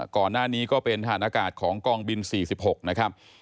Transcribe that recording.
ก่อนหน้านี้ก็เป็นฐานอากาศของกองบิน๔๖นะครับ